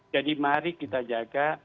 jadi mari kita jaga